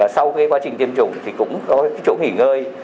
sau quá trình tiêm chủng thì cũng có chỗ nghỉ ngơi